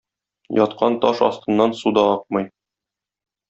Яткан таш астыннан су да акмый.